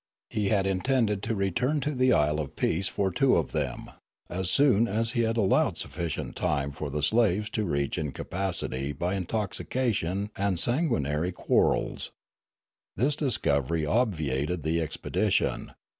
He had intended to return to the Isle of Peace for two of them, as soon as he had allowed sufficient time for the slaves to reach incapacity by intoxication and sanguinar} quarrels. This discover}' obviated the expedition.